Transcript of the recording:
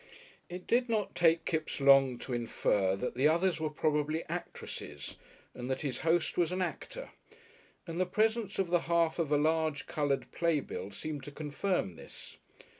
It did not take Kipps long to infer that the others were probably actresses and that his host was an actor, and the presence of the half of a large, coloured playbill seemed to confirm this.